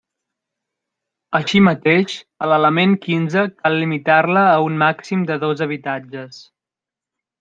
Així mateix, a l'element quinze cal limitar-la a un màxim de dos habitatges.